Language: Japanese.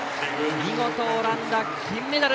見事オランダ、金メダル！